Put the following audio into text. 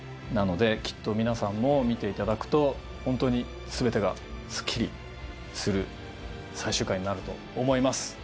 なのできっと皆さんも見ていただくとホントに全てがスッキリする最終回になると思います。